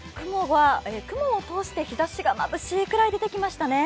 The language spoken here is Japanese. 雲を通して日ざしがまぶしいくらい出てきましたね。